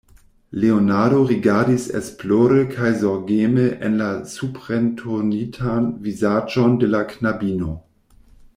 Leonardo rigardis esplore kaj zorgeme en la suprenturnitan vizaĝon de la knabino.